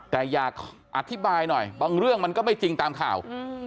แต่อยากอธิบายหน่อยบางเรื่องมันก็ไม่จริงตามข่าว